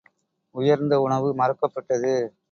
உயர்ந்த உணவு மறக்கப்பட்டது.